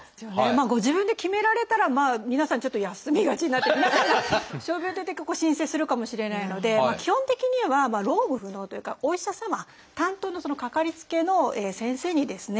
ご自分で決められたら皆さんちょっと休みがちになって皆さんが傷病手当結構申請するかもしれないので基本的には労務不能というかお医者様担当のかかりつけの先生にですね